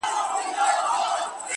د زړه نرمي لوی قوت لري!